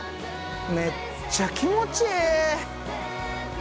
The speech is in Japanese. めっちゃ気持ちええ！